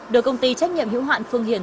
được công ty trách nhiệm hữu hạn phương hiệu